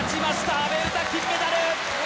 阿部詩、金メダル。